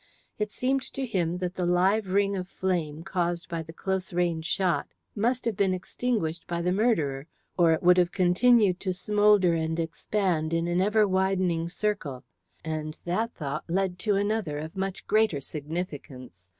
It seemed to him that the live ring of flame caused by the close range shot must have been extinguished by the murderer, or it would have continued to smoulder and expand in an ever widening circle. And that thought led to another of much greater significance.